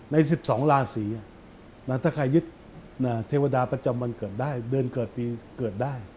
ใน๑๒ราศีถ้าใครยึดเทวดาประจำวันเกิดได้เดือนเกิดปีเกิดได้